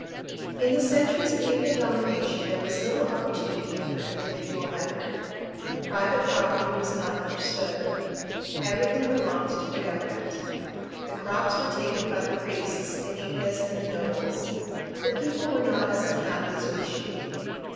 In the centuries of Inca domination there was little opportunity for individual effort. Private property was not understood. Everything belonged to the government. The crops were taken by the priests, the Incas and the nobles. The people were not as unhappy as we should be.